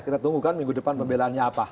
kita tunggu kan minggu depan pembelaannya apa